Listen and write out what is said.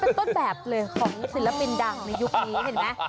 เป็นต้นแบบเลยของศิลปินดังในยุคนี้เห็นไหม